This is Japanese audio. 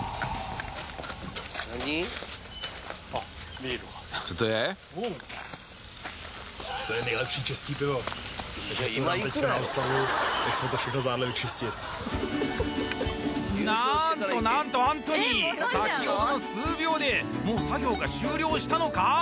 ビールなんとなんとアントニー先ほどの数秒でもう作業が終了したのか？